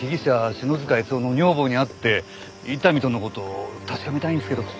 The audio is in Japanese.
篠塚悦雄の女房に会って伊丹との事を確かめたいんですけど。